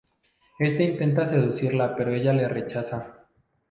Éste intenta seducirla pero ella le rechaza.